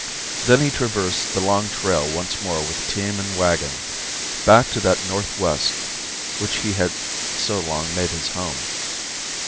Then he traversed the long trail once more with team and wagon back to that Northwest which he had so long made his home.